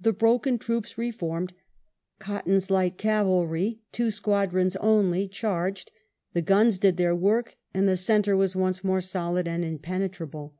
The broken troops reformed. Cotton's light cavalry, two squadrons only, charged, the guns did their work, and the centre was once more solid and impenetrable.